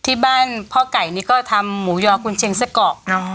ที่บ้านพ่อไก่นี่ก็ทำหมูยอกุญเชียงไส้เกาะ